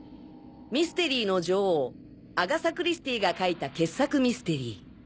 ミステリーの女王アガサ・クリスティが書いた傑作ミステリー。